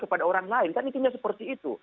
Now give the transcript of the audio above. kepada orang lain kan itunya seperti itu